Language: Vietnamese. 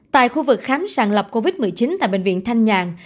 tại khu vực khám sàng lập covid một mươi chín tại bệnh viện thanh nhàng